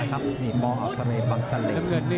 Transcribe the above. กอาวทะเลบังษะเร